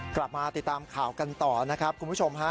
กลับมาติดตามข่าวกันต่อนะครับคุณผู้ชมฮะ